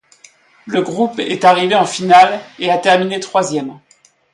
Le groupe est arrivé en finale et a terminé troisième.